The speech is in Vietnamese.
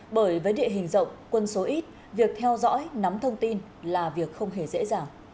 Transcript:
bởi với địa hình rộng quân số ít việc theo dõi nắm thông tin là việc không hề dễ dàng